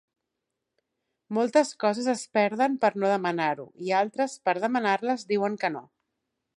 Moltes coses es perden per no demanar-ho; i altres, per demanar-les, diuen que no.